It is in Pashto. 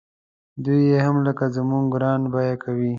دوی یې هم لکه زموږ ګران بیه کوي.